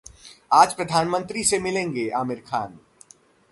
आज प्रधानमंत्री से मिलेंगे आमिर खान